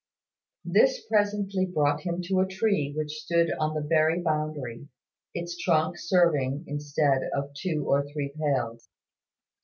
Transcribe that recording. This presently brought him to a tree which stood on the very boundary, its trunk serving instead of two or three pales.